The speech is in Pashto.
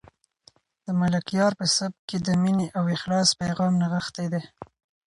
د ملکیار په سبک کې د مینې او اخلاص پیغام نغښتی دی.